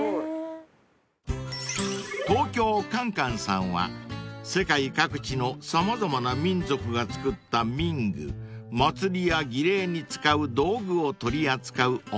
［東京かんかんさんは世界各地の様々な民族が作った民具祭りや儀礼に使う道具を取り扱うお店］